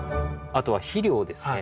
あとは肥料ですね。